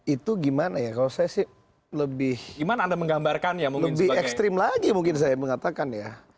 itu gimana ya kalau saya sih lebih ekstrim lagi mungkin saya mengatakan ya